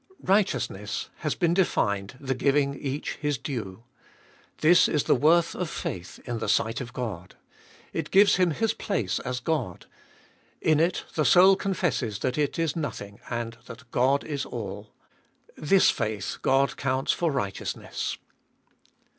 Righteous ness has been defined the giving each his due. This is the worth of faith in the sight of God : it gives Him His place as God, in it the soul confesses that it is nothing, and that God is all. This faith God counts for righteousness.